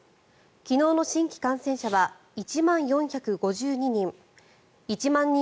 昨日の新規感染者は１万４５２人。